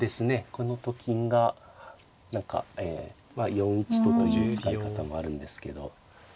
このと金が何かえ４一とという使い方もあるんですけど。